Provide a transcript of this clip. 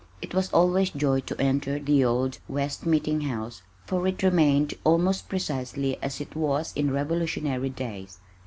It was always joy to enter the old West Meeting House for it remained almost precisely as it was in Revolutionary days.